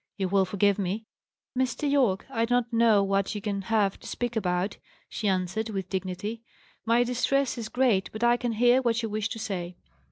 You will forgive me?" "Mr. Yorke, I do not know what you can have to speak about," she answered, with dignity. "My distress is great, but I can hear what you wish to say."